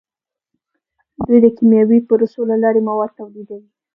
دوی د کیمیاوي پروسو له لارې مواد تولیدوي.